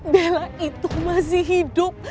bella itu masih hidup